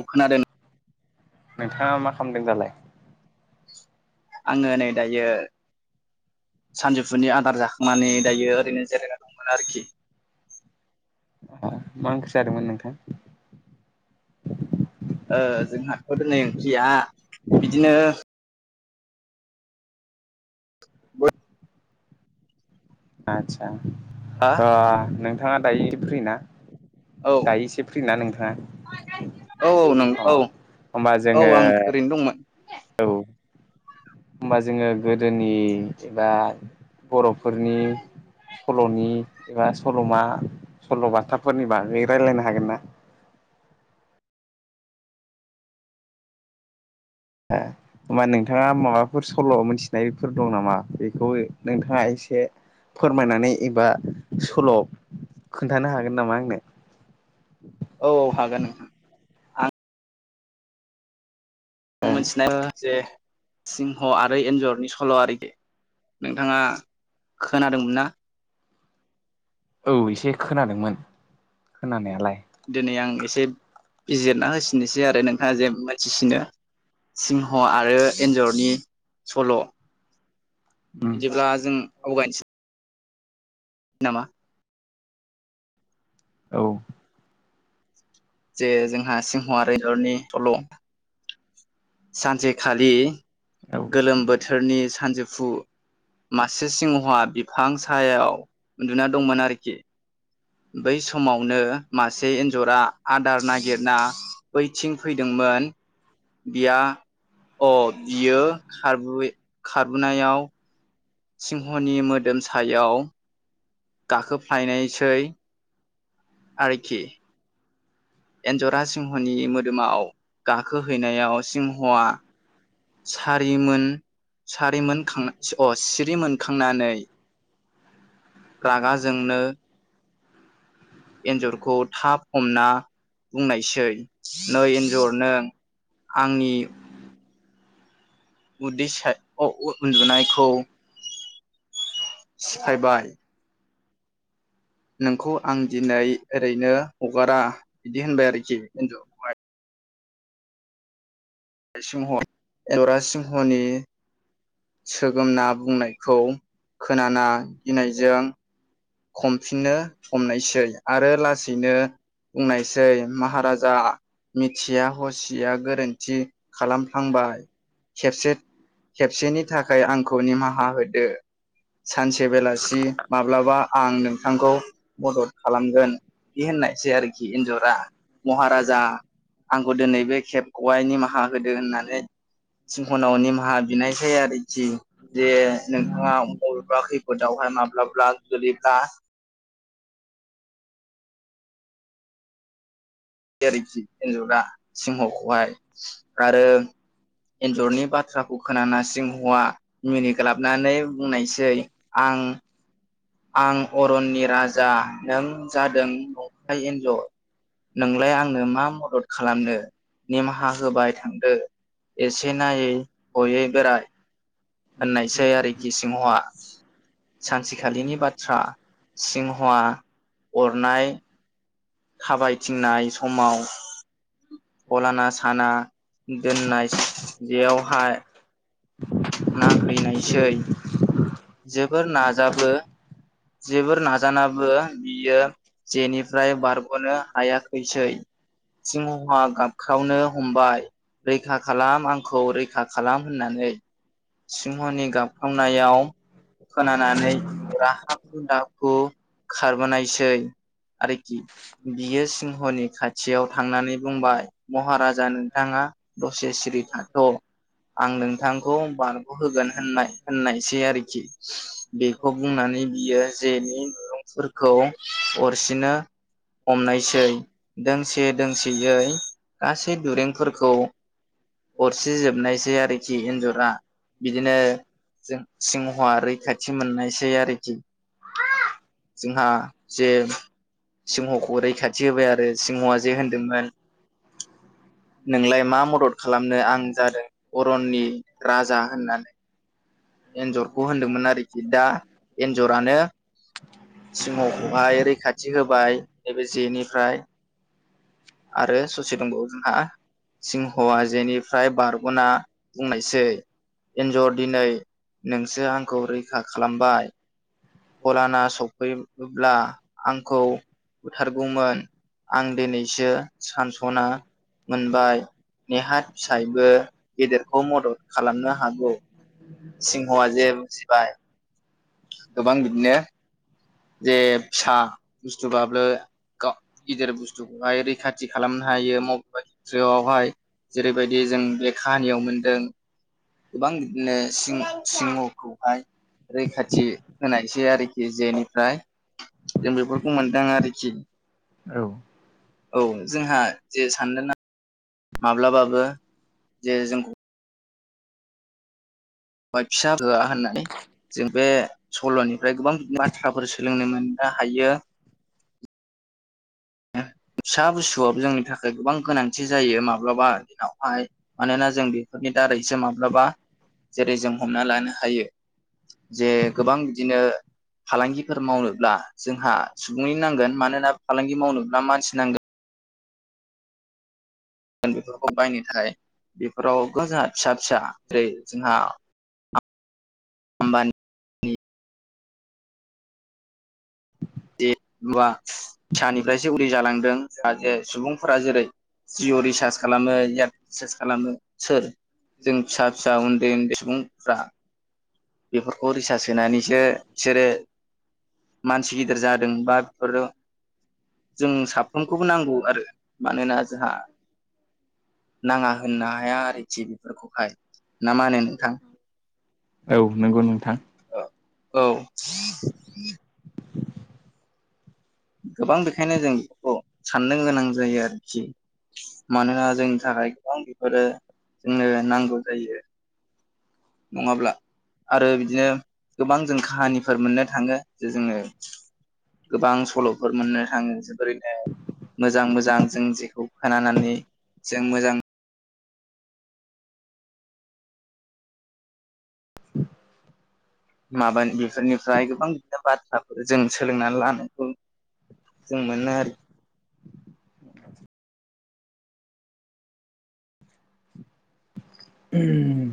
औ खोनादों नोंथाङा मा खालामदों दालाय आङो नै दायो सानजौफुनि आदार जाखांनानै दायो ओरैनो जिरायना दं मोन आरोखि अ मा ओंख्रि जादोंमोन नोंथां ओ जोंहाथ' दिनै ओंख्रिया बिदिनो आदसा हा र' नोंथाङा दायो फ्रि ना औ दायो इसे फ्रि ना नोंथाङा? औ औ नों अ औ होमबा औ जोङो आं ओरैनो दंमोन होमबा जोङो गोदोनि एबा बर'फोरनि सल'नि एबा सल'मा सल'बाथाफोरनि बागै रायलायनो हागोन ना? आ होमबा नोंथाङा माबाफोर सल' मोनथिनायफोर दं नामा बेखौ नोंथाङा एसे फोरमायनानै एबा सल' खोन्थानो हागोन नामा आंनो औ औ हागोन नोंथां आं आं मिथिनाय जे सिंह आरो एनजरनि सल' आरि बे नोंथाङा खोनादोंमोनना? औ इसे खोनादोंमोन खोनानायालाय दिनै आं एसे बिजिरना होसिननोसै आरो नोंथाङा जे मोनथिसिनो सिंह आरो एन्जरनि सल' बिदिब्ला जों आवगायनोसै नामा औ जे जोंहा सिंह एनजरनि सल' सानसेखालि गोलोम बोथोरनि सानजौफु मासे सिंहआ बिफां सायायाव उन्दुना दंमोन आरोखि बै समावनो मासे एन्जरा आदार नागिरना बैथिं फैदोंमोन बिया अ बियो खारबु खारबोनायाव सिंहनि मोदोम सायाव गाखो फ्लायनायसै आरोखि एन्जरा सिंहनि मोदोमाव गाखोहैनायाव सिंहआ सारिमोन सारिमोन खांनायसै अ सिरि मोनखांनानै रागाजोंनो एन्जरखौ थाब हमना बुंनायसै नै एन्जर नों आंनि उदै सा अ उन्दुनायखौ सिफायबाय नोंखौ आं दिनै ओरैनो हगारा बिदि होनबाय आरोखि एनजर सिंह एवरा सिंहनि सोगोमना बुंनायखौ खोनाना गिनायजों खमफिनो हमनायसै आरो लासैनो बुंनायसै माहाराजा मिथिया हसिया गोरोन्थि खालामफ्लांबाय खेबसे खेबसेनि थाखाय आंखौ निमाहा होदो सानसे बेलासि माब्लाबा आं नोंथांखौ मदद खालामगोन बिदि होननायसै आरोखि एन्जरा महाराजा आंखौ दिनै बे खेबखौहाइ निमाहा होदो होननानै सिंहनाव निमाहा बिनाय सै आरोखि जे नोंथाङा बबेबा खैफोदावहाय माब्लाब्ला गोलैब्ला आरोखि एन्जरा सिंहखौहाय आरो एन्जरनि बाथ्राखौ खोनाना सिंहआ मिनिग्लाबनानै बुंनायसै आं आं अरननि राजा नों जादों नंखाय एन्जर नोंलाय आंनो मा मदद खालामनो निमाहा होबाय थांदो एसे नायै हयै बेराय होननायसै आरोखि सिंहवा सानसेखालिनि बाथ्रा सिंहवा अरनाय थाबायथिंनाय समाव फलाना साना दोननाय जेयावहाय नांहैैनायसै। जेरै जोबोर नाजाबो जोबोर नाजानाबो बियो जेनिफ्राय बारगनो हायाखैसै। सिंहवा गाबख्रावनो हमबाय रैखा खालाम आंखौ रैखा खालाम होननानै सिंहनि गाबखावनायाव खोनानानै एनजरा हाखु दाखु खारबोनायसै आरोखि बियो सिंहनि खाथियाव थांनानै बुंबाय महाराजा नोंथाङा दसे सिरि थाथ' आं नोंथांखौ बारग होगोन होननाय होननायसै आरोखि बेखौ बुंनानै बियो जे नि दचरूंफोरखौ अरसिनो हमनायसै दोंसे दोंसेयै गासै दुरूंफोरखौ अरसि जोबनायसै आरोखि एन्जरा बिदिनो जों सिंहआ रैखाथि मोननायसै आरोखि जोंहा जे सिंहखौ रैखाथि होबाय आरो सिंहआ जे होनदोंमोन। [inaudible] नोंलाय मा मदद खालामनो आं जादों अरननि राजा होननानै एन्जरखौ होनदोंमोन आरोखि दा एन्जरानो सिंसखौहाय रैखाथि होबाय दा बे जेनिफ्राय आरो ससे दंबावो जोंहा सिंह आ जेनिफ्राय बारग'ना बुंनायसै एनजर दिनै नोंसो आंखौ रैखा खालामबाय फलाना सफैब्ला आंखौ बुथारगौमोन आं दिनैसो सानस'नो मोनबाय नेहा फिसायबो गेदेरखौ मदद खालामनो हागौ। सिंहा जे बुजिबाय गोबां बिदिनो जे फिसा बुस्थुबाबो गा गिदिर बुस्थुखौहाय रैखाथि खालामनो हायो मबेबा खेथ्र'वावहाय जेरैबायदि जों बे खाहानियाव मोनदों गोबां बिदिनों सिंहखौहाय रैखाथि होनायसै आरोखि जेनि फ्राय जों बेफोरखौ मोनदों आरोखि औ जोंहा जे साननो ना माब्लाबाबो जे जोंखौ बा फिसा [unintelligible] होननानै जों बे सल'निफ्राय गोबां बाथ्राफोर सोलोंनो मोननो हायो। फिसा बुस्थुबाबो जोंनि थाखाय गोबां गोनांथि जायो माब्लाबा दिनावहाय मानोना जों बेफोरनि दारैसो माब्लाबा जेरै जों हमना लानो हायो। जे गोबां बिदिनो फालांगिफोर मावनोब्ला जोंहा सुबुंनि नांगोन मानोना फालांगि मावनोब्ला मानसि नांगोन। बेफोरखौ बायनो थाखाय बेफोराव जोंहा फिसा फिसा जेरै जोंहा [unintelligible] [unintelligible] फिसानिफ्रायसो उरि जालांदों जाहा जे सुबुंफोरा जेरै जिअ' रिसार्च खालामो एयारटेल रिसार्च खालामो सोर जों फिसा फिसा उन्दै उन्दै सुबुंफ्रा बेफोरखौ रिसार्च सोनानैसो बिसोरो मानसि गिदिर जादों बा बेफोरो जों साफ्रोमखौबो नांगौ आरो। मानोना जोंहा नाङा होननो हाया आरोखि बेफोरखौहाय। ना मा होनो नोंथां? औ नोंगौ नोंथां। ओ औ [inaudible] गोबां बेखायनो जों बेफोरखौ साननो गोनां जायो आरोखि मानोना जोंनि थाखाय गोबां बेफोरो जोंनो नांगौ जायो। नङाब्ला आरो बिदिनो गोबां जों काहानिफोर मोननो थाङो जे जोङो गोबां सल'फोर मोननो थाङो जोबोरैनो मोजां मोजां जों जेखौ खोनानानै जों मोजां [inaudible] माबानि बेफोरनिफ्राय गोबां बिदिनो बाथ्राफोर जों सोलोंनानै लानांगौ। जों मोनो आरोखि। उम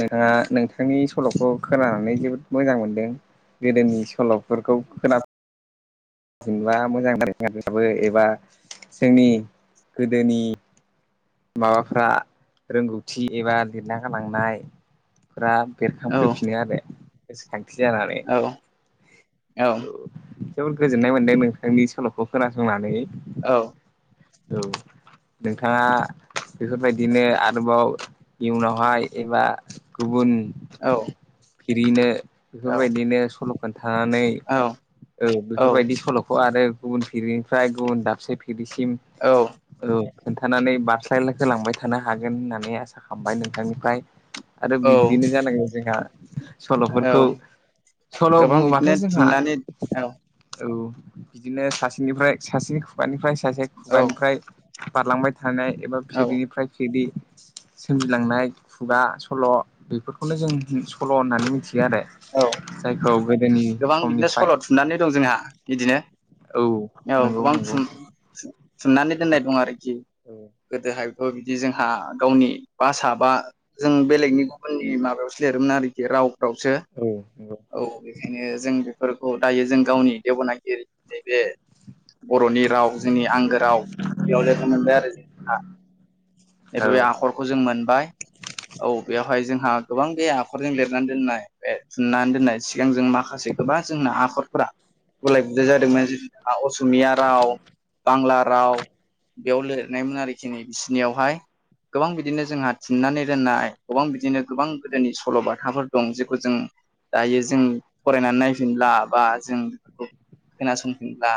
नोंथाङा नोंथांनि सल'खौ खोनानानै जोबोद मोजां मोनदों। गोदोनि सल'फोरखौ खोना जेनेबा मोजां [unintelligible] एबा जोंनि गोदोनि माबाफ्रा रोंगौथि एबा लिरना गालांनायफोरा आरो बेरखांफैफिनो आरो गोसोखांथि जानानै। औ औ थ' जोबोर गोजोननाय मोनदों नोंथांनि सल'खौ खोनासंनानै। औ औ नोंथाङा बेफोरबायदिनो आरोबाव इयुनावहाय एबा गुबुन औ फिरिनो बेफोरबायदिनो सल' खोन्थानानै औ औ बेफोरबायदि सल'खौ आरो गुबुन फिरिनिफ्राय गुबुन दाबसे फि गिबिसिम औ औ खोन्थानानै बार [unintelligible] होलांबाय थानो हागोन होननानै आसा खामबाय नोंथांनिफाय। आरो औ बिदिनो जानांगौ जोंहा औ सल'फोरखौ सल' गोबां बुङोबाथ' बिदिनो जोंहा थुननानै औ औ बिदिनो सासेनिफ्राय सासेनि खुगानिफ्राय सासे औ खुगानिफ्राय बारलांबाय थानाय एबा औ फिरिनिफ्राय फिरि सोमजिलांनाय खुगा सल' बेफोरखौनो जों सल' होननानै मिथि आरो औ जायखौ गोदोनि गोबां बिदिनो समनिफ्राय सल' थुननानै दं जोंहा बिदिनो औ औ नंगौ गोबां नंगौ थुम थुम थुननानै दोननाय दं आरोखि। औ गोदोहायथ' बिदि जोंहा गावनि भासा बा जों बेलेगनि गुबुननि माबायावसो लिरोमोन आरोखि रावफ्रावसो औ नंगौ औ बेखायनो जों बेफोरखौ दायो जों गावनि देबनागिरि नैबे बर'नि राव जोंनि आंगो राव बेयाव जायखौ मोनबाय आरो जोंहा औ नैबे बे आखरखौ जों मोनबाय औ बेवहाय जोंहा गोबां बे आखरजों लिरनानै दोननाय थुननानै दोननाय सिगां जोंमा माखासे गोबां जोंना आखरफोरा गुलाय गुजाय जादोंमोन जेनेबा असमिया राव बांला राव बेयाव लिरनायमोन आरोखि नै बिसिनियावहाय गोबां बिदिनो जोंहा थुन्नानै दोननाय गोबां बिदिनो गोबां गोदोनि सल'बाथाफोर दं जेखौ जों दायो जों फरायनानै नायफिनला बा जों बेफोरखौ खोनासंफिनब्ला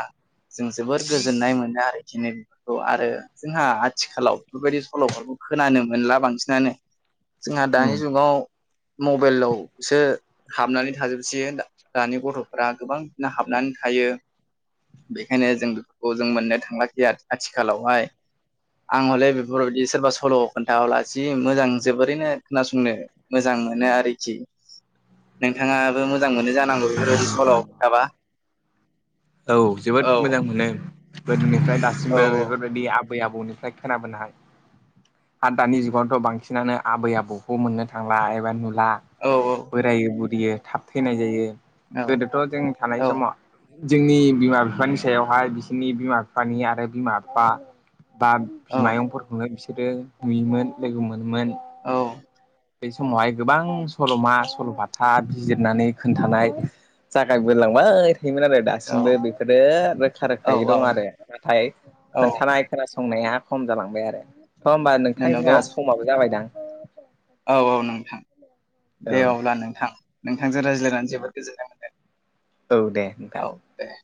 जों जोबोर गोजोननाय मोनो आरोखि नै बेफोरखौ आरो जोंहा आथिखालाव बेबायदि सल'फोरखौ खोनानो मोनला बांसिनानो जोंहा दानि उम जुगाव मबेलाव सो हाबनानै थाजोबसै दानि ओ गथ'फोरा गोबांनो हाबनानै थायो बेखायनो जों बेफोरखौ जों मोननो थाङाखै आथिखालावहाय आं हले बेफोरबादि सोरबा सल' खोन्थाबाला जि मोजां जोबोरैनो खोनासंनो मोजां मोनो आरोखि। नोंथाङाबो मोजां मोनो जानांगौ बेफोरबायदि सल' खोथाबा। औ जोबोद औ मोजां मोनो गोदोनिफ्राय औ दासिमबो बेफोरबायदि आबै आबौनिफ्राय खोनाबोनाय आरो दानि जुगावथ' बांसिनानो आबै आबौखौ मोननो थांला एबा नुलानो औ बोरायो बुरियो थाब थैनाय जायो औ गोदोथ' जों थानाय औ समावो जोंनि बिमा बिफानि सायावहाय बिसोरनि बिमा बिफानि आरो बिमा बिफा बा औ बिमायंफोरखौनो बिसोरो नुयोमोन लोगो मोनोमोन आ औ। बे समावहाय गोबां सल'मा सल'बाथा बिजिरनानै खोन्थानाय जागाय बोनलांबाय। आरो दासिमबो औ बेफोरो रोखा रोखायै औ दं आरो नाथाय औ खोनथानाय। खोनासंनाया खम जालांबाय आरो थ' होमबा नोंथां नंगौ जोंहा समाबो जाबायदां। औ औ नोंथां दे अब्ला नोंथां नोंथांजों रायज्लायनानै जोबोद गोजोननाय मोन्दों। औ दे नोंथां। ए